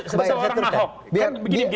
sebagai orang nahok